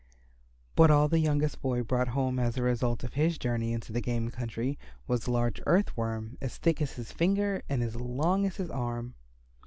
But all the youngest boy brought home as a result of his journey into the game country was a large Earth Worm as thick as his finger and as long as his arm.